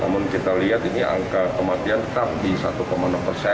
namun kita lihat ini angka kematian tetap di satu enam persen